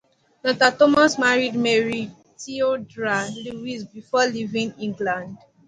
Nutter Thomas married Mary Theodora Lewis before leaving England.